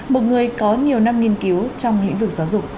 một người có nhiều năm nghiên cứu trong lĩnh vực giáo dục